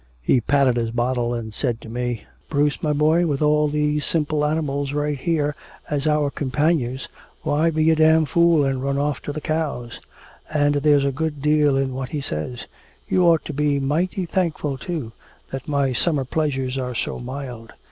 He patted his bottle and said to me, 'Bruce, my boy, with all these simple animals right here as our companions why be a damn fool and run off to the cows?' And there's a good deal in what he says. You ought to be mighty thankful, too, that my summer pleasures are so mild.